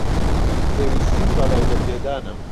پێویستیم بە ڕێگەپێدانە.